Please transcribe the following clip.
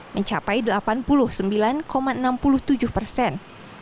mencapai delapan puluh sembilan enam puluh tujuh persen